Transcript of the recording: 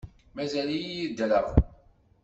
Mazal-iyi ddreɣ.